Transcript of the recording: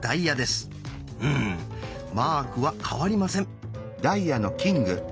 うんマークは変わりません。